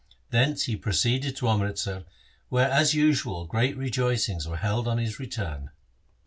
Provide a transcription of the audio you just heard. Thence he proceeded to Amritsar where as usual great rejoicings were held on his return.